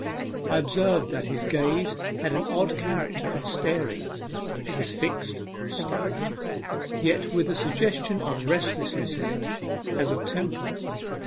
I observed that his gaze had an odd character of staring ; it was fixed, stern, yet with a sug gestion of restlessness in it, as of temper.